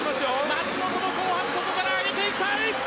松元も後半ここから上げていきたい！